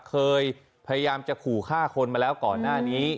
พยายามจะขู่ฆ่าคนมาแล้วก่อนหน้านี้